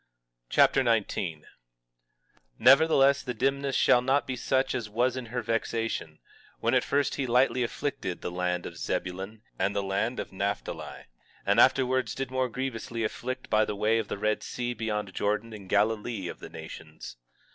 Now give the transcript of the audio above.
2 Nephi Chapter 19 19:1 Nevertheless, the dimness shall not be such as was in her vexation, when at first he lightly afflicted the land of Zebulun, and the land of Naphtali, and afterwards did more grievously afflict by the way of the Red Sea beyond Jordan in Galilee of the nations.